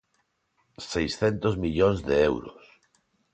Seiscentos millóns de euros.